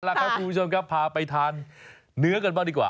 ล่ะครับคุณผู้ชมครับพาไปทานเนื้อกันบ้างดีกว่า